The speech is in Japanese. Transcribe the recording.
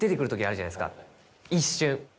一瞬。